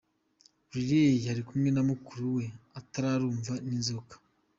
Riley ari kumwe na mukuru we atararumwa n’inzoka.